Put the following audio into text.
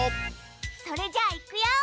それじゃあいくよ。